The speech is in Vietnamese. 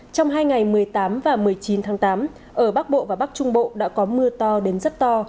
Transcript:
trong hai ngày một mươi tám và một mươi chín tháng tám ở bắc bộ và bắc trung bộ đã có mưa to đến rất to